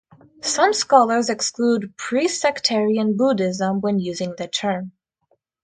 Some scholars exclude pre-sectarian Buddhism when using the term.